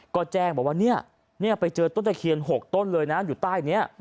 ก็แจ้งบอกว่าเนี่ยไปเจอต้นตะเคียน๖ต้นเลยนะอยู่ใต้นี้